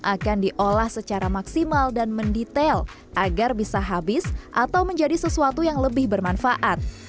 akan diolah secara maksimal dan mendetail agar bisa habis atau menjadi sesuatu yang lebih bermanfaat